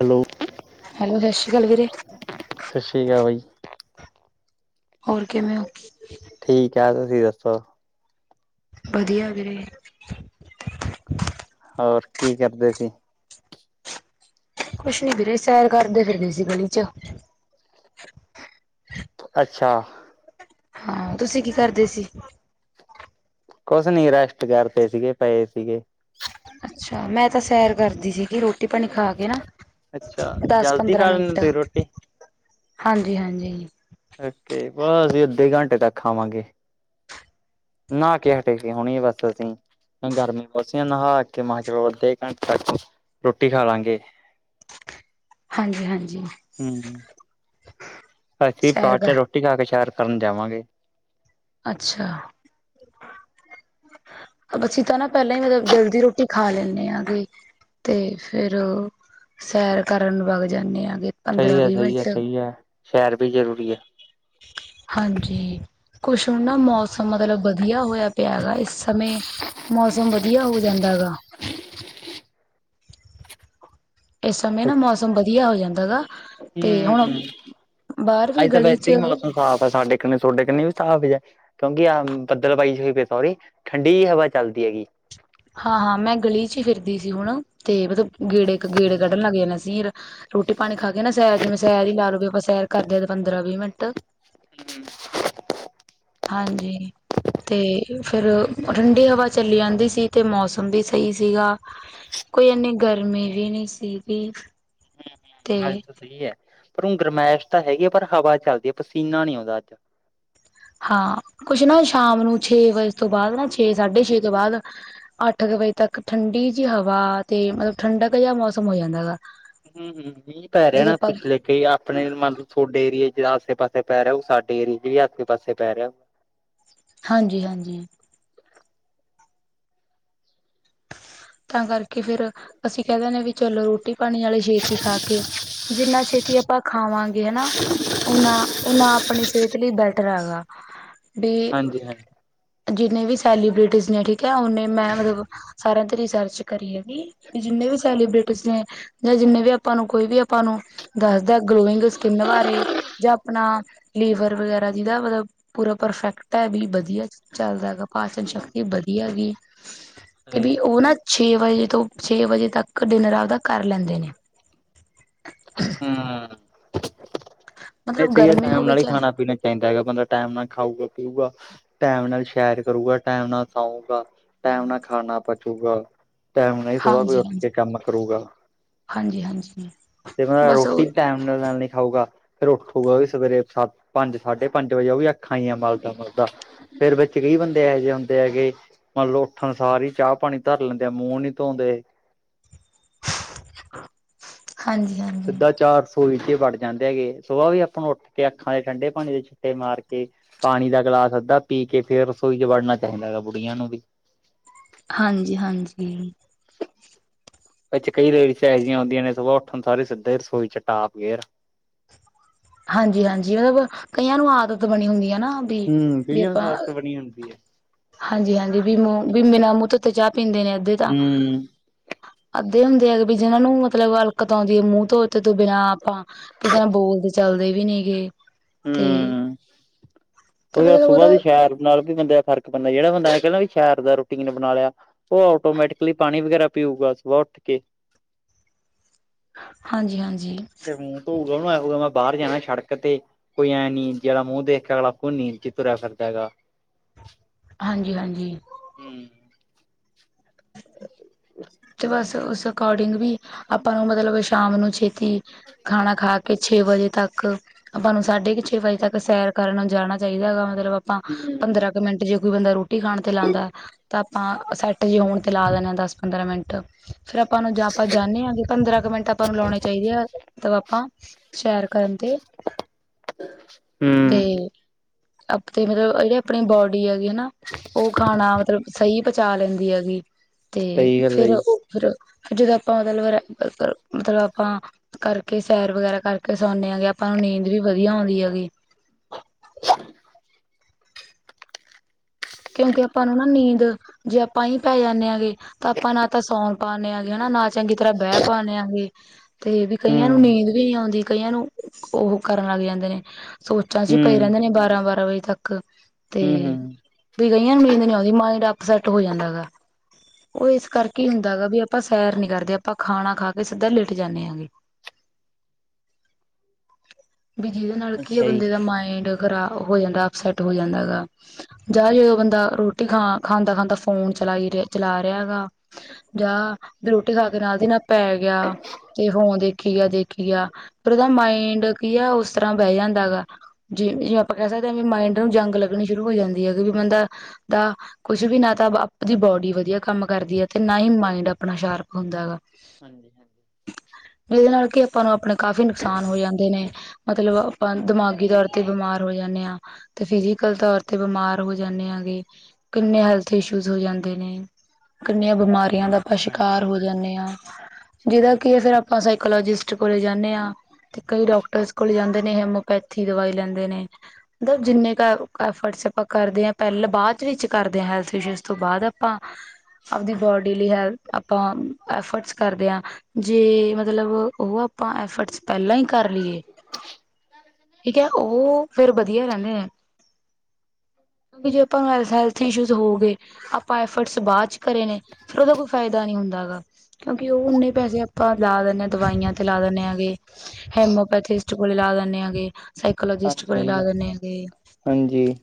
Hello. Hello, ਸਤਿ ਸ਼੍ਰੀ ਕਾਲ ਵੀਰੇ। ਸਤਿ ਸ਼੍ਰੀ ਕਾਲ ਬਾਈ। ਹੋਰ ਕਿਵੇਂ ਔ? ਠੀਕ ਐ, ਤੁਸੀਂ ਦੱਸੋ? ਵੱਦੀਆ ਵੀਰੇ। ਹੋਰ, ਕੀ ਕਰਦੇ ਸੀ? ਕੁਛ ਨਈ ਵੀਰੇ, ਸੈਰ ਕਰਦੇ ਫਿਰਦੇ ਸੀ ਗਲੀ ਚ। ਅੱਛਾ। ਹਾਂ, ਤੁਸੀਂ ਕੀ ਕਰਦੇ ਸੀ। ਕੁਛ ਨਹੀਂ ਰੈਸਟ ਕਰਤੇ ਸੀਗੇ ਪਏ ਸੀਗੇ। ਅੱਛਾ, ਮੈਂ ਤਾਂ ਸੈਰ ਕਰਦੀ ਸੀਗੀ ਰੋਟੀ ਪਾਣੀ ਖਾ ਕੇ ਨਾ। ਅੱਛਾ ਦਸ ਜਲਦੀ ਖਾ ਲੈਂਦੇ ਤੁਸੀਂ ਰੋਟੀ। ਹਾਂਜੀ-ਹਾਂਜੀ। ਬਸ ਅਸੀਂ ਅੱਧੇ ਘੰਟੇ ਤੱਕ ਖਵਾਂਗੇ ਨਹਾ ਕੇ ਹਟੇ ਸੀ ਹੋਣੀ ਬੱਸ ਅਸੀਂ ਗਰਮੀ ਬਸ ਆ ਨਹਾ ਕੇ ਮੈਂ ਚਲੋ ਅੱਧੇ ਘੰਟੇ ਤੱਕ ਰੋਟੀ ਖਾ ਲਾਂਗੇ ਹਾਂਜੀ ਹਾਂਜੀ ਹਮ ਅਸੀਂ ਸੈਰ ਪਾਰਕ ਚ ਕਰ ਰੋਟੀ ਖਾ ਕੇ ਸੈਰ ਕਰਨ ਜਾਵਾਂਗੇ ਅੱਛਾ ਅਸੀਂ ਤਾਂ ਨਾ ਪਹਿਲਾਂ ਹੀ ਮਤਲਬ ਜਲਦੀ ਰੋਟੀ ਖਾ ਲੈਂਦੇ ਆਾਂਗੇ ਤੇ ਫੇਰ ਉਹ ਸੈਰ ਕਰਨ ਵਗ ਜਾਂਦੇ ਆਗੇ ਸਹੀ ਪੰਦਰਾਂ ਹੈ ਵੀਹ ਸਹੀ ਹੈ ਮਿੰਟ ਸਹੀ ਹੈ ਸ਼ੇਰ ਵੀ ਜ਼ਰੂਰੀ ਹਾਂਜੀ ਕੁਛ ਹੁਣ ਨਾ ਮੌਸਮ ਮਤਲਬ ਵਧੀਆ ਹੋਇਆ ਪਿਆ ਹੈ ਗਗਾ ਇਸ ਸਮੇਂ ਮੌਸਮ ਵਧੀਆ ਹੋ ਜਾਂਦਾ ਗਾ [inaudible] ਇਸ ਸਮੇਂ ਨਾ ਮੌਸਮ ਵਧੀਆ ਹੋ ਜਾਂਦਾ ਗਾ ਤੇ ਹੁਣ ਹਮ ਬਾਹਰ ਵੀ ਅੱਜ ਤਾਂ ਗਲੀ ਵੈਸੇ ਹੀ ਚ ਮੌਸਮ ਸਾਫ਼ ਸਾਡੇ ਕ ਤੁਹਾਡੇ ਵੀ ਸਾਫ਼ ਹੈ [unintelligible] ਕਿਉਂਕਿ ਆਹ ਬੱਦਲ ਪਾਈ ਹੋਈ [unintelligible] ਫਿਰ ਸੋਰੀ ਠੰਡੀ ਹਵਾ ਚੱਲਦੀ ਹੈਗੀ ਹਾਂ ਹਾਂ ਮੈਂ ਗਲੀ ਚ ਹੀ ਫਿਰਦੀ ਸੀ ਹੁਣ ਤੇ ਮਤਲਬ ਗੇੜੇ ਗੇੜੇ ਕੱਢਣ ਲੱਗ ਸੀ ਯ ਰੋਟੀ ਪਾਣੀ ਖਾ ਕੇ ਨਾ ਸੈਰ ਜਿਵੇਂ ਸੈਰ ਹੀ ਲਾ ਲੋ ਆਪਾਂ ਸੈਰ ਕਰਦੇ ਹ ਪੰਦਰਾਂ ਵੀਹ ਮਿੰਟ ਹਾਂਜੀ ਤੇ ਫਿਰ ਠੰਡੀ ਹਵਾ ਚੱਲ ਜਾਂਦੀ ਸੀ ਤੇ ਮੌਸਮ ਵੀ ਸਹੀ ਸੀਗਾ ਕੋਈ ਇਨੀ ਗਰਮੀ ਵੀ ਨਹੀਂ ਸੀਗੀ ਅੱਜ ਤੇ ਤਾਂ ਸਹੀ ਹੈ ਪਰ ਹੁਣ ਗਰਮਾਇਸ਼ ਤਾਂ ਹੈਗੀ ਆ ਪਰ ਹਵਾ ਚੱਲਦੀ ਹੈ ਪਸੀਨਾ ਨੀ ਆਉਂਦਾ ਅੱਜ ਹਾਂ ਕੁਛ ਨਾ ਸ਼ਾਮ ਨੂੰ ਛੇ ਵਜੇ ਤੋਂ ਬਾਅਦ ਨਾ ਛੇ ਸਾਢੇ ਛੇ ਤੋਂ ਬਾਅਦ ਅੱਠ ਕੁ ਵਜੇ ਤੱਕ ਠੰਡੀ ਜਿਹੀ ਹਵਾ ਤੇ ਮਤਲਬ ਠੰਡਕ ਜਿਹਾ ਮੌਸਮ ਹੋ ਜਾਂਦਾ ਗਾ ਹਮ ਹਮ ਹੀ ਪੈ ਜਦੋਂ ਰਹਿਣਾ ਆਪਾਂ ਪਿਛਲੇ ਕਈ ਆਪਣੇ ਮਤਲਬ ਤੁਹਾਡੇ ਏਰੀਏ ਚ ਆਸੇ ਪਾਸੇ ਪੈ ਰਿਹਾ ਉਹ ਸਾਡੇ ਏਰੀਏ ਚ ਵੀ ਆਸੇ ਪਾਸੇ ਪੈ ਰਿਹਾ ਹਾਂਜੀ ਹਾਂਜੀ ਤਾਂ ਕਰਕੇ ਫੇਰ ਅਸੀਂ ਕਹਿ ਦਿੰਦੇ ਵੀ ਚਲੋ ਰੋਟੀ ਪਾਣੀ ਵਾਲੇ ਛੇਤੀ ਖਾ ਕੇ ਜਿੰਨਾ ਛੇਤੀ ਆਪਾਂ ਖਾਵਾਂਗੇ ਹੈ ਨਾ ਉਹਨਾਂ ਉਹਨਾ ਆਪਣੀ ਸਿਹਤ ਲਈ ਬੈਟਰ ਹੈਗਾ ਵੀ ਹਾਂਜੀ ਹਾਂਜੀ ਜਿੰਨੇ ਵੀ ਸੈਲੀਬ੍ਰਿਟੀਜ਼ ਨੇ ਠੀਕ ਹੈ ਉਹਨੇ ਮੈਂ ਮਤਲਬ ਸਾਰਿਆਂ ਤੇ ਰਿਸਰਚ ਕਰੀਏ ਵੀ ਜਿੰਨੇ ਵੀ ਸੈਲੀਬ੍ਰਿਟੀਜ ਨੇ ਜਾਂ ਜਿੰਨੇ ਵੀ ਆਪਾਂ ਨੂੰ ਕੋਈ ਵੀ ਆਪਾਂ ਨੂੰ ਦੱਸਦਾ ਗਲੋਇੰਗ ਸਕਿੰਨ ਬਾਰੇ ਜਾਂ ਆਪਣਾ ਲੀਵਰ ਵਗੈਰਾ ਜਿਹਦਾ ਮਤਲਬ ਪੂਰਾ ਪਰਫੈਕਟ ਹੈ ਵੀ ਵਧੀਆ ਚੱਲਦਾ ਹੈਗਾ ਪਾਚਨ ਸ਼ਕਤੀ ਵਧੀਆ ਗ ਤੇ ਸਹੀ ਵੀ ਗੱਲ। ਉਹ ਨਾ ਛੇ ਵਜੇ ਤੋਂ ਛੇ ਵਜੇ ਤੱਕ ਡਿਨਰ ਆਪਦਾ ਕਰ ਲੈਂਦੇ ਨੇ ਹਮ ਮਤਲਬ ਇਥਹੀ ਹੈ ਗਰਮੀ ਟਾਈਮ ਹੋਵੇ ਨਾਲ ਹੀ ਚ ਖਾਣਾ ਪੀਣਾ ਚਾਹੀਦਾ ਹੈਗਾ ਬੰਦਾ ਟਾਈਮ ਨਾਲ ਖਾਊਗਾ ਪੀਊਗਾ ਟਾਈਮ ਨਾਲ ਸ਼ੇਰ ਕਰੂਗਾ ਟਾਈਮ ਨਾਲ ਸਊਗਾ ਟਮ ਨਾਲ ਖਾਣਾ ਪਚੁਗਾ ਟਾਈਮ ਨਹੀਂ ਸ ਕੋਈ ਹਾਂਜੀ ਉੱਠ ਕੇ ਕੰਮ ਕਰੂਗਾ ਹਾਂਜੀ ਹਾਂਜੀ ਹਾਂਜੀ ਤੇ ਮ ਬਸ ਉਹ ਰੋਟੀ ਟਾਈਮ ਉਹਨਾ ਨਾਲ ਨੀ ਲੈਣ ਲਈ ਖਾਊਗਾ ਫਿਰ ਉੱਠਗਾ ਵੀ ਸਵੇਰੇ ਸੱਤ ਪੰਜ ਸਾਢੇ ਪੰਜ ਵਜੇ ਉਹ ਵੀ ਅੱਖਾਂ ਹੀਈ ਆ ਮਲਦਾ ਮਲਦਾ ਫੇਰ ਬੱਚੇ ਕਈ ਬੰਦੇ ਇਹੋ ਜਿਹੇ ਹੁੰਦੇ ਹੈਗੇ ਮੰਨ ਲ ਉੱਠਣ ਸਾਰੀ ਹੀ ਚਾਹ ਪਾਣੀ ਧਰ ਲੈਂਦੇ ਆ ਮੂੰਹ ਨੀ ਧੋਂਂਦੇ ਹਾਂਜੀ ਹਾਂਜੀ ਸਿੱਧਾ ਚਆ ਸ ਵੜ ਜਾਂਦੇ ਹੈਗੇ ਸਆਹ ਵੀ ਆਪਾਂ ਨੂੰ ਉੱਠ ਕੇ ਅੱਖਾਂ ਦੇ ਠੰਡੇ ਪਾਣੀ ਦੇ ਛਿੱਟੇ ਮਾਰ ਕੇ ਪਾਣੀ ਦਾ ਗਿਲਾਸ ਅੱਧਾ ਪੀ ਕੇ ਫੇਰ ਰਸੋਈ ਚ ਵੜਨਾ ਚਾਹੀਦਾ ਹੈਾ ਬੁੜੀਆਂ ਨੂੰ ਵੀ ਹਾਂਜੀ ਹਾਂਜੀ ਵਿੱਚ ਕਈ ਲੇਡੀਜ ਚ ਇਹੋ ਹੀ ਹੁੰਦੀਆਂ ਨੇ ਸੋਂ ਉਠਣ ਸਾਰੇ ਸਿੱਧੇ ਰਸੋਈ ਚ ਟਾਪ ਗਏ ਹਾਂਜੀ -ਹਾਂਜੀ ਮਤਲਬ ਕਈਆਂ ਨੂੰ ਆਦਤ ਬਣੀ ਹੁੰਦੀ ਹੈ ਨਾ ਵੀ ਹੂੰ ਵੀ ਕਈਆਂ ਆਪਾਂ ਆਦਤ ਬਣੀ ਹੁੰਦੀ ਹੈ ਹਾਂਜੀ ਹਾਂਜੀ ਬਿਨਾਂ ਮੂੰਹ ਧੋਤੇ ਤੇੱ ਤੇ ਚਾਹ ਪੀਂਦੇ ਨੇ ਅੱਧੇ ਤਾਂ ਹੂੰ ਅੱਧੇ ਹੁੰਦੇ ਹੈਗੇ ਵੀ ਜਿਹਨਾਂ ਨੂੰ ਮਤਲਬ ਅਲਕਤ ਆਉਂਦੀ ਹੈ ਮੂੰਹ ਤੋਂ ਤੋਂ ਬਿਨਾਂ ਆਪਾਂ ਕਿਸੇ ਨਾਲ ਬੋਲਦੇ ਚਲਦੇ ਵੀ ਨੀ ਗੇ ਤੇ ਹੂੰ ਤੇ ਮਤਲਬ ਸੁਬਾਹ ਉਹਦਾ ਦੀ ਸੈਰ ਨਾਲ ਵੀ ਬੰਦੇ ਦਾ ਫਰਕ ਪੈਂਦਾ ਜਿਹੜਾ ਬੰਦਾ ਨੇ ਕਹਿੰਦਾ ਵੀ ਸ਼ਹਿਰ ਦਾ ਰੋਟੀ ਨੇ ਬਣਾ ਲਿਆ ਉਹ ਆਟੋਮੈਟਿਕਲੀ ਪਾਣੀ ਵਗੈਰਾ ਪੀਊਗਾ ਸੁਾਹ ਉੱਠ ਕੇ ਹਾਂਜੀ ਹਾਂਜੀ ਧ ਨੂੰ ਉਦੋਂ ਮੈਂ ਬਾਹਰ ਜਾਣਾ ਸੜਕ ਤੇ ਕੋਈ ਐਂ ਨੀ ਜਿਹੜਾ ਮੂੰਹ ਦੇਖ ਅਗਲਾ ਕੋ ਨੀ ਜ ਤੁਰਰਾ ਫਿਰਦਾ ਹੈ ਗਗਾ ਹਾਂਜੀ ਹਾਂਜੀ ਤੇ [inaudible] ਹਾਜੀ। ਤੇ ਬਸ ਉਸ ਅਕੋਰਡਿੰਗ ਵੀ ਆਪਾਂ ਨੂੰ ਮਤਲਬ ਸ਼ਾਮ ਨੂੰ ਛੇਤੀ ਖਾਣਾ ਖਾ ਕੇ ਛੇ ਵਜੇ ਤੱਕ ਆਪਾਂ ਨੂੰ ਸਾਢੇ ਕੁ ਛੇ ਵਜੇ ਤੱਕ ਸੈਰ ਕਰਨ ਜਾਣਾ ਚਾਹੀਦਾ ਹੈਗਾ ਮਤਲਬ ਆਪਾਂ ਹੂੰ, ਪੰਦਰਾਂ ਮਿੰਟ ਜੇ ਕੋਈ ਬੰਦਾ ਰੋਟੀ ਖਾਣ ਤੇ ਲਾਉਦਾ ਤਾਂ ਆਪਾਂ ਸੈੱਟ ਜੇ ਹੋਣ ਤੇ ਲਾ ਦੇਣੇ ਹ ਦਸ ਪੰਦਰਾਂ ਮਿੰਟ ਫੇਰ ਆਪਾਂ ਨੂੰ ਆਪਾਂ ਜਾਂਦੇੇ ਹਾਂਗੇ ਪੰਦਰਾਂ ਕੁ ਮਿੰਟ ਆਪਾਂ ਨੂੰ ਲਾਉਣੇ ਚਾਹੀਦੇ ਆ ਆਪਾਂ ਸੈਰ ਕਰਨ ਤੇ ਹੂੰ ਆਪਣੇ ਮਤਲਬ ਜਿਹੜੇ ਆਪਣੀ ਬੋਡੀ ਹੈਗੇ ਹਨਾ ਉਹ ਖਾਣਾ ਮਤਲਬ ਸਹੀ ਪਹੁੰਚਾ ਲੈਂਦੀ ਹੈਗੀ ਤੇ ਸਹੀ ਗੱਲ ਹੈ ਜੀ। ਫਿਰ ਫਿਰ ਜਦੋਂ ਆਪਾਂ ਮਤਲਬ ਮਤਲਬ ਆਪਾਂ ਕਰਕੇ ਸੈਰ ਵਗੈਰਾ ਕਰਕੇ ਸੌਂਦੇ ਆਗੇ ਆਪਾਂ ਨੂੰ ਨੀਂਦ ਵੀ ਵਧੀਆ ਆਉਂਦੀ ਹੈਗੀ ਕਿਉਂਕਿ ਆਪਾਂ ਨੂੰ ਨਾ ਨੀਂਦ ਜੇ ਆਪਾਂ ਹੀ ਪੈ ਜਾਂਦੇ ਹਗੇ ਤਾਂ ਆਪਾਂ ਨਾ ਤਾਂ ਸੌਂਗ ਪਾਉਂਦੇ ਹਾਂਗੇ ਹਨਾ ਨਾ ਚੰਗੀ ਤਰ੍ਹਾਂ ਬਹਿ ਪਾਦੇ ਹਾਂਗੇ ਤੇ ਵੀ ਹੂੰ, ਕਈਆਂ ਨੂੰ ਨੀਂਦ ਵੀ ਨਹੀਂ ਆਉਂਦੀ ਕਈਆਂ ਨੂੰ ਉਹ ਕਰਨ ਲੱਗ ਜਾਂਦੇ ਨੇ ਸੋਚਾਂ ਸੀ ਹੂੰ, ਪਏ ਰਹਿੰਦੇ ਨੇ ਬਾਰਾਂ ਬਾਰਾਂ ਵਜੇ ਤੱਕ ਤੇ ਹੂੰ, ਹੂੰ ਵੀ ਗਈਆਂ ਨੂੰ ਨੀਂਦ ਨੀ ਆਉਂਦੀ ਮਾਈੰਡ ਅਪਸੈੱ ਹੋ ਜਾਂਦਾ ਹੈਗਾ ਉਹ ਇਸ ਕਰਕੇ ਹੁੰਦਾ ਗਾ ਵੀ ਆਪਾਂ ਸੈਰ ਨੀ ਕਰਦੇ ਆਪਾਂ ਖਾਣਾ ਖਾ ਕੇ ਸਿੱਧਾ ਲਿਟ ਜਾਂਦੇ ਹਗੇ ਹੂੰ ਬ ਜਿਹਦੇ ਨਾਲ ਕੀ ਅੱਛਾ ਜੀ। ਹਾਂਜੀ। ਬੰਦੇ ਦਾ ਮਾਇੰਡ ਖਰਾ ਹੋ ਜਾਂਦਾ ਅਪਸੈਟ ਹੋ ਜਾਂਦਾ ਗਾ ਜਾਂ ਜਦੋਂ ਬੰਦਾ ਰੋਟੀ ਖਾ ਖਾਂਦਾ ਖਾਂਦਾ ਫੋਨ ਚਲਾਈ ਰਿਹਾ ਚਲਾ ਰਿਹਾ ਹੈਗਾ- ਜਾਂ ਫ ਰੋਟੀ ਖਾ ਕੇ ਨਾਲ ਦੀ ਨਾਲ ਪੈ ਗਿਆ ਤੇ ਫੋਨ ਦੇਖ ਦੇਖੀ ਗਿਆ ਦੇਖੀ ਗਿਆ ਫਿਰ ਉਹਦਾ ਮਾਇੰਡ ਕੀ ਹੈ ਉਸ ਤਰ੍ਹਾਂ ਬਹਿ ਜਾਂਦਾ ਗਾ ਜਿਵੇ ਜਿਵੇਂ ਆਪਾਂ ਕਹਿ ਸਕਦੇ ਹਾਂ ਵੀ ਮਾਇੰਡ ਨੂੰ ਜੰਗ ਲੱਗਣੀ ਸ਼ੁਰੂ ਹੋ ਜਾਂਦੀ ਹੈ ਕਿ ਵੀ ਬੰਦਾ ਦਾ ਕੁਛ ਵੀ ਨਾ ਤਾਂ ਆਪਦੀ ਬੋਡੀ ਵਧੀਆ ਕੰਮ ਕਰਦੀ ਹੈ ਤੇ ਨਾ ਹੀ ਮਾਇੰਡ ਆਪਣਾ ਸ਼ਾਰਪ ਹੁੰਦਾ ਹੈਾ ਹਾਂਜੀ ਹਾਂਜੀ ਜਿਹਦੇ ਨਾਲ ਕਿ ਆਪਾਂ ਨੂੰ ਆਪਣੇ ਕਾਫ਼ੀ ਨੁਕਸਾਨ ਹੋ ਜਾਂਦੇ ਨੇ ਮਤਲਬ ਆਪਾਂ ਹਾਂਜੀ, ਦਿਮਾਗੀ ਤੌਰ ਤੇ ਬਿਮਾਰ ਹੋ ਜਾਂਦੇ ਹਾਂ ਤੇ ਫਿਜ਼ਕਲ ਤੌਰ ਤੇ ਬਿਮਾਰ ਹੋ ਜਾਂਦੇ ਆ ਗ ਕਿੰਨੇ ਹੈਲਥ ਇਸ਼ੂਜ ਹੋ ਜਾਂਦੇ ਨੇ ਕਿੰਨੀਆਂ ਬਿਮਾਰੀਆਂ ਦਾ ਆਪਾਂ ਸ਼ਿਕਾਰ ਹਾਂਜੀ। ਹੋ ਜਾਂਦੇ ਹਾਂ ਜਿਹਦਾ ਕਿ ਫੇਰ ਆਪਾਂ ਸਾਈਕੋਲੋਜਿਸਟ ਕੋਲੇ ਜਾਂਦੇ ਹਾਂ ਤੇ ਕਈ ਡਾਕਟਰਸ ਕੋਲ ਜਾਂਦੇ ਨੇ ਹਮੋਪੈਥੀ ਦਵਾਈ ਲੈਂਦੇ ਨੇ ਮਤਲਬ ਜਿੰਨੇ ਕ ਵਸਪਾਂ ਕਰਦੇ ਹਾਂ ਪਹਿਲਾਂ ਬਾਅਦ ਵਿੱਚ ਕਰਦੇ ਹਾਂ ਹੈਲਥ ਇਸ਼ੂਜ਼ ਤੋਂ ਬਾਅਦ ਆਪਾਂ ਆਪਦੀ ਬੋਡੀ ਲਈ ਹੈਥ ਆਪਾਂਫਰਟਸ ਕਰਦੇ ਹਾਂ ਜੇ ਮਤਲਬ ਉਹ ਆਪਾਂ ਐਫਰਟਸ ਪਹਿਲਾਂ ਹੀ ਕਰ ਲਈਏ ਠੀਕ ਹੈ ਉਹ ਫੇਰ ਵਧੀਆ ਰਹਿੰਦੇ ਨੇ ਕਿਉਂਕਿ ਜੇ ਆਪਾਂ ਹੈਲਥ ਇਸ਼ੂਜ਼ ਹੋ ਗਏ- ਆਪਾਂ ਐਫਰਟਸ ਬਾਅਦ ਚ ਕਰੇ ਨੇ ਫਿਰ ਉਹਦਾ ਕੋਈ ਫਾਇਦਾ ਨਹੀਂ ਹੁੰਦਾ ਹੈਗਾ। ਕਿਉਂਕਿ ਉਹ ਉਨੇ ਪੈਸੇ ਆਪਾਂ ਲਾ ਦਿੰਨਦੇ ਹਾਂ ਦਵਾਈਆਂ ਤੇ ਲਾ ਦਿੰਨਦੇ ਹੈਗੇ ਹੇਮਓਪੈਥਿਸਟ ਕੋਲ ਲਾ ਦਿੰਦੇ ਹੈਗੇ ਸਾਈਕੋਲੋਜਿਸਟ ਕੋਲ ਲਾ ਦਿੰਦੇ ਹੈਗੇ ਹਾਂਜੀ,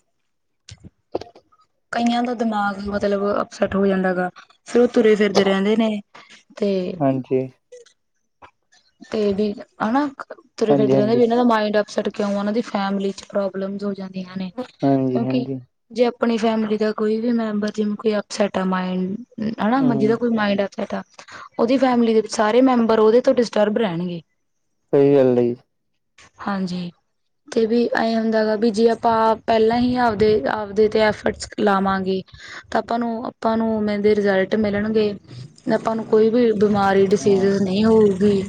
ਕਈਆਂ ਦਾ ਦਿਮਾਗ ਮਤਲਬ ਅਪਸੈਟ ਹੋ ਜਾਂਦਾ ਗਾ ਫੇਿਰ ਉਹ ਤੁਰੇ ਫਿਰਦੇ ਰਹਿੰਦੇ ਨੇ, ਤੇ ਹਾਂਜੀ, ਤੇ ਵੀ ਹਨਾ ਤੁਰ ਫਿਰਦੇ ਰਹਿੰਦੇ ਵੀ ਹਾਂਜੀ-ਹਾਂਜੀ, ਇਹਨਾਂ ਦਾ ਮਾਇੰਡ ਅਪਸੈਟ ਕਿਉਂ ਉਹਨਾਂ ਦੀ ਫੈਮਲੀ ਚ ਪ੍ਰੋਬਲਮਸ ਹੋ ਜਾਂਦੀਆਂ ਨੇ ਕਿਉਂਕਿ, ਜੇ ਆਪਣੀ ਫੈਮਿਲੀ ਦਾ ਕੋਈ ਵੀ ਮੈਂਬਰ ਜਿਵੇ ਕੋਈ ਅਪਸੈਟ ਆ ਮੰਡਾ ਹੂੰ ਜਿਦਾ ਕੋਈ ਮਾਇੰਡ, ਅ ਉਹਦੀ ਫੈਮਿਲੀ ਦੇ ਸਾਰੇ ਮੈਂਬਰ ਓਦੇ ਤੋ ਡਿਸਟਰਬ ਰਹਿਣਗੇ। ਸਹੀ ਗੱਲ ਡ ਹਾਂਜੀ, ਤੇ ਵੀ ਇਹ ਹੁੰਦਾ ਗਾ ਵੀ ਜੇ ਆਪਾਂ ਪਹਿਲਾਂ ਹੀ ਆਪਦੇ ਆਪਦੇ ਤੇ ਐਫਰਟਸ ਲਾਵਾਂਗੇ। ਤਾਂ ਆਪਾਂ ਨੂੰ ਆਪਾਂ ਨੂੰ ਮੇ ਦੇ ਰਿਜ਼ਲਟ ਮਿਲਣਗੇ ਆਪਾਂ ਨੂੰ ਕੋਈ ਵੀ ਬਿਮਾਰੀ ਹਾਂ ਡਿਸੀਜ ਨਹੀਂ ਹੋਊਗੀ,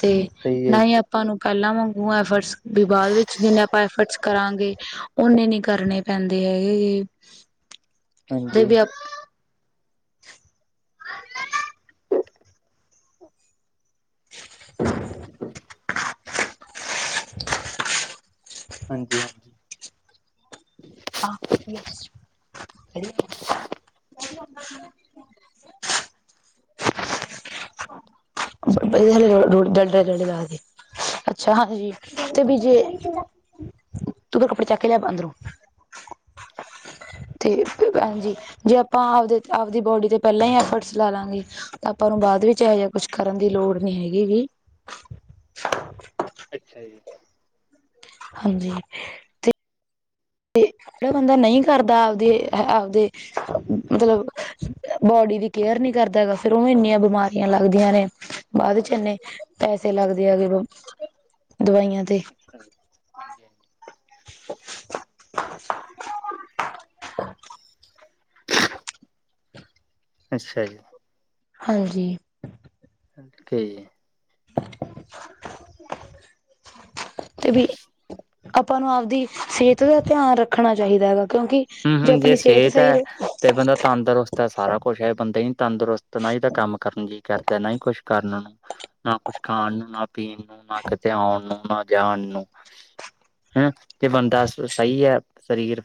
ਤੇ ਸਹੀ ਹੈ ਨਾ ਜੀ, ਹੀ ਆਪਾਂ ਨੂੰ ਪਹਿਲਾਂ ਮੰਾਂਗੂਗਾ ਐਫਰਟਸ ਵੀ ਬਾਅਦ ਵਿੱਚ, ਜਿੰਨੇ ਆਪਾਂ ਐਫਰਟਸ ਕਰਾਂਗੇ ਓਨੇ ਨੀ ਕਰਨੇ ਪੈਂਦੇ ਹੈਗੇ ਜ, ਹਾਂਜੀ, [unintelligible] ਹਾਂਜੀ ਹਾਂਜੀ, ਹਾਂ ਜੈਸ [unintelligible] ਦੇ ਰੜਦਾ, ਅੱਛਾ ਹਾਂਜੀ ਤੇ ਵੀ ਜੇ ਤੂੰ ਫਿਰ ਕੱਪੜੇ ਚੱਕ ਕੇ ਲਿਆ ਅੰਦਰੋਂ [unintelligible] ਤੇ ਹਾਂਜੀ ਜੇ ਆਪਾਂ ਆਪਦੇ ਆਪਦੀ ਬੋਡੀ ਤੇ ਪਹਿਲਾਂ ਹੀ ਐਫਰਟਸ ਲਾ ਲਵਾਂਗੇ। ਆਪਾਂ ਨੂੰ ਬਾਅਦ ਵਿੱਚ ਇਹੋ ਜਿਹਾ ਕੁਛ ਕਰਨ ਦੀ ਲੋੜ ਨੀ ਹੈਗੀਗੀ। ਅੱਛਾ ਜੀ ਹਾਂਜੀ, ਤੇ ਜਿਹੜਾ ਬੰਦਾ ਨਹੀਂ ਕਰਦਾ ਆਪਦੇ ਆਪਦੇ ਮਤਲਬ ਬੋਡੀ ਦੀ ਕੇਅਰ ਨੀ ਕਰਦਾ ਹੈਗਾ। ਫੇਿਰ ਉਹ ਇੰਨੀਆਂ ਬਿਮਾਰੀਆਂ ਲੱਗਦੀਆਂ ਨੇ, ਬਾਅਦ ਚ ਇੰਨੇ ਪੈਸੇ ਲੱਗਦੇ ਆਗੇ ਦਵਾਈਆਂ ਤੇ, ਸੀ ਹਾਂਜੀ ਹਾਂਜੀ, [unintelligible] ਅੱਛਾ ਜੀ ਹਾਂਜੀ ਕ ਤੇ, ਵੀ, ਆਪਾਂ ਨੂੰ ਆਪਦੀ ਸਿਹਤ ਦਾ ਧਿਆਨ ਰੱਖਣਾ ਚਾਹੀਦਾ ਹੈਗਾ। ਕਿਉਂਕਿ, ਹਮ ਹਮ ਜੇ ਆਪਣੀ ਸਿਹਤ ਸਹਿਤ ਹੈ ਸਹੀ ਤੇ ਬੰਦਾ ਤੰਦਰੁਸਤ ਹੈ ਸਾਰਾ ਕੁਛ ਹੈ, ਬੰਦਾ ਤੰਦਰੁਸਤ ਨਾ ਹੀ ਤਾਂ ਕੰਮ ਕਰਨ ਲਈ ਕਰਦਾ ਨਾ ਹੀ ਕੁਛ ਕਰਨਾ ਨਾ ਕੁਛ ਖਾਣ ਨੂੰ ਨਾ ਪੀਣ ਨੂੰ ਨਾ ਕਿਤੇ ਆਉਣ ਨੂੰ ਨਾ। ਜਾਣ ਨੂੰ ਹੁ ਤੇ ਬੰਦਾ ਸਹੀ ਹੈ, ਸਰੀਰ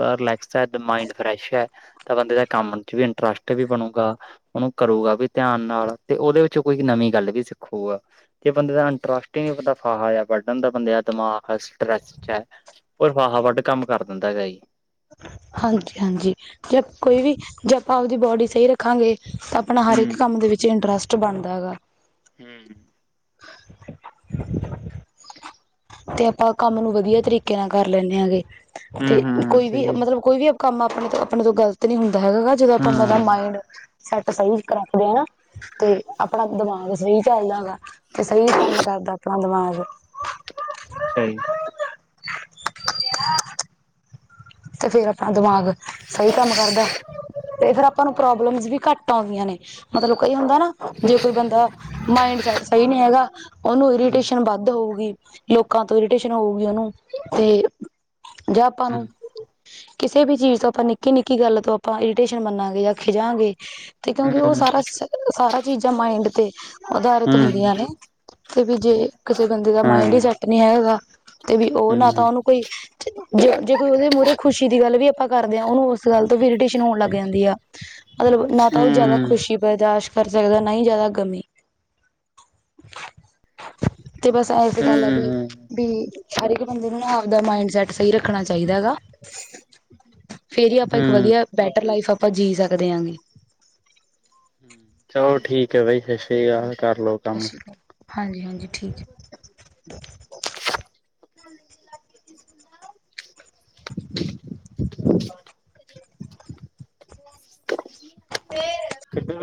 ਰਿਲੈਕਸ ਮੰਡ ਫਰੈਸ਼ ਹੈ, ਤਾਂ ਬੰਦੇ ਦਾ ਕੰਮ ਚ ਵੀ ਇੰਟਰਸਟ ਵੀ ਬਣੂਗਾ। ਉਹਨੂੰ ਕਰੂਗਾ ਵੀ ਧਿਆਨ ਨਾਲ ਤੇ ਉਹਦੇ ਵਿੱਚ ਕੋਈ ਨਵੀਂ ਗੱਲ ਵੀ ਸਿੱਖੂਗਾ। ਕਿ ਬੰਦੇ ਦਾ ਇੰਟਰਸਟ ਈ ਨੀ ਬੰਦਾ ਫਾਹਾ ਜਹਾ ਵਢਣ ਦਾ ਬੰਦੇ ਦਾ ਦਿਮਾਗ ਆ ਸਟ੍ਰੈੱਸ '। ਓ ਫਾਹਾ ਵੱਡ ਕੰਮ ਕਰ ਦਿੰਦਾ ਕਈ। ਹਾਂਜੀ, ਹਾਂਜੀ, ਜੇ ਕੋਈ ਵੀ ਜੇ ਆਪਾਂ ਆਪਦੀ ਬੋਡੀ ਸਹੀ ਰੱਖਾਂਗੇ ਤਾਂ। ਆਪਣਾ ਹਰ ਹੂੰ ਇੱਕ ਕੰਮ ਦੇ ਵਿੱਚ ਇੰਟਰਸਟ ਬਣਦਾ ਹੈਗਾ। ਹੂੰ। [inaudible] ਤੇ ਆਪਾਂ ਕੰਮ ਨੂੰ ਵਧੀਆ ਤਰੀਕੇ ਨਾਲ ਕਰ ਲੈਂਦੇ ਆਂਗੇ ਤੇ ਕੋਈ ਵੀ ਮਤਲਬ ਕੋਈ ਵੀ ਕੰਮ ਆਪਣੇ ਤੋਂ ਆਪਣੇ ਤੋਂ ਗ਼ਲਤ ਨੀ ਹੁੰਦਾ ਹੈਗਾ ਜਦੋਂ ਆਪਾਂ ਦਾ ਮਾਇੰਡ ਸੈਟ ਸਹੀ ਰੱਖਦੇ ਹ ਨਾ। ਤੇ ਆਪਣਾ ਦਿਮਾਗ ਸਹੀ ਚੱਲਦਾ ਏਗਾ ਤੇ ਸਹੀ ਕੰਮ ਕਰਦਾ ਆਪਣਾ ਦਿਮਾਗ। ਅੱਛਹੀ [inaudible] ਤੇ ਫੇਰ ਆਪਣਾ ਦਿਮਾਗ ਸਹੀ ਕੰਮ ਕਰਦਾ। ਤੇ ਫੇਰ ਆਪਾਂ ਨੂੰ ਪ੍ਰੋਬਲਮਸ ਵੀ ਘੱਟ ਆਉਂਦੀਆਂ ਨੇ ਮਤਲਬ ਕਈ ਹੁੰਦਾ ਨਾ। ਜੇ ਕੋਈ ਬੰਦਾ ਮਾਇੰਡ ਸੈਟ ਸਹੀ ਨਹੀਂ ਹੈਗਾ ਉਹਨੂੰ ਇਰੀਟੇਸ਼ਨ ਵੱਧ ਹੋਊਗੀ। ਲੋਕਾਂ ਤੋਂ ਇਰੀਟੇਸ਼ਨ ਹੋਊਗੀ ਉਹਨੂੰ ਤੇ ਜਾਂ ਆਪਾਂ ਨੂੰ ਕਿਸੇ ਵੀ ਚੀਜ਼ ਤੋਂ ਆਪਾਂ ਨਿੱਕੀ-ਨਿੱਕੀ ਗੱਲ ਤੋਂ ਆਪਾਂ ਇਰੀਟੇਸ਼ਨ ਮੰਨਾਂਗੇ ਜਾਂ ਖਿਜਾਂਗੇ। ਤੇ ਕਿਉਂਕਿ ਉਹ ਸਾਰਾ ਸਾਰਾ ਚੀਜ਼ਾਂ ਮਾਇੰਡ ਤੇ ਅਧਾਰਿਤ ਹੁੰਦੀਆਂ ਨੇ। ਤੇ ਜੇ ਕਿਸੇ ਬੰਦੇ ਦਾ ਮਾਇੰਡ ਹੀ ਸਟ ਸੈੱਟ ਨੀ ਹੈਗਾ ਤੇ ਵੀ ਉਹ ਨਾ ਤਾਂ ਉਹਨੂੰ ਕੋਈ ਜ ਜੇ ਉਹਦੇ ਮੂਹਰੇ ਖੁਸ਼ੀ ਦੀ ਗੱਲ ਵੀ ਆਪਾਂ ਕਰਦੇ ਹਾਂ ਉਹਨੂੰ ਉਸ ਗੱਲ ਤੋਂ ਵੀ ਇਰੀਟੇਸ਼ਨ ਹੋਣ ਲੱਗ ਜਾਂਦੀ ਆ। ਮਤਲਬ ਨਾ ਤਾਂ ਉਹ ਜ਼ਿਆਦਾ ਖੁਸ਼ੀ ਬਰਦਾਸ਼ਤ ਕਰ ਸਕਦਾ ਨਾ ਹੀ ਜ਼ਿਆਦਾ ਗਮੀ। [inaudible] ਤੇ ਬਸ ਐਸ ਹੂੰ ਗੱਲ ਆ ਵੀ ਵੀ ਹਰ ਇੱਕ ਬੰਦੇ ਨੂੰ ਨਾ ਆਪਦਾ ਮਾਇੰਡ ਸੈਟ ਸਹੀ ਰੱਖਣਾ ਚਾਹੀਦਾ ਗਾ ਫੇਰ ਹੀ ਆਪਾਂ ਇੱਕ ਹੂੰ ਵਧੀਆ ਬੈਟਰ ਲਾਈਫ ਆਪਾਂ ਜੀ ਸਕਦੇ ਹਾਂਗੇ। ਹਮ ਚਲੋ ਠੀਕ ਹੈ ਬਾਈ ਸਤਿ ਸ੍ਰੀ ਅਕਾਲ ਕਰਲਓ। ਸਤਿ ਸ਼੍ਰੀ ਅਕਾਲ ਹਾਂਜੀ ਹਾਂਜੀ ਠੀਕ ਹੈ। [inaudible] ਵਰ [unintelligible]